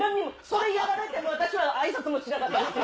それやられても私は挨拶もしなかったです。